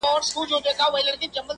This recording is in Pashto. زما گلاب زما سپرليه، ستا خبر نه راځي~